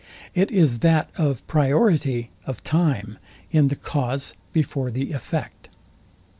It is that of PRIORITY Of time in the cause before the effect.